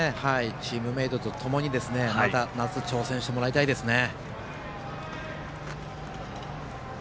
チームメートともに、また夏挑戦してもらいたいですね。